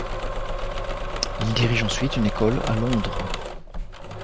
Il dirige ensuite une école à Londres.